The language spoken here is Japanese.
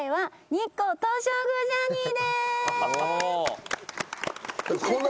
日光東照宮ジャーニー。